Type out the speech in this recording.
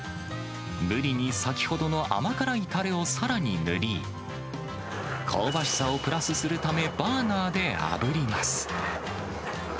ブリに先ほどの甘辛いたれをさらに塗り、香ばしさをプラスするため、バーナーであぶります。